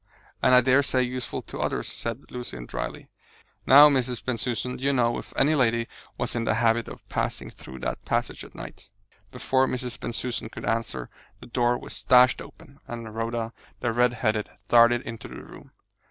"And I daresay useful to others," said Lucian drily. "Now, Mrs. Bensusan, do you know if any lady was in the habit of passing through that passage at night?" Before Mrs. Bensusan could answer the door was dashed open, and Rhoda, the red headed, darted into the room.